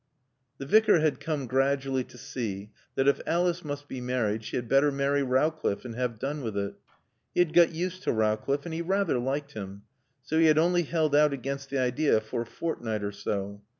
The Vicar had come gradually to see that if Alice must be married she had better marry Rowcliffe and have done with it. He had got used to Rowcliffe and he rather liked him; so he had only held out against the idea for a fortnight or so.